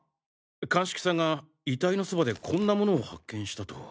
鑑識さんが遺体のそばでこんなものを発見したと。